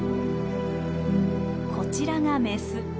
こちらがメス。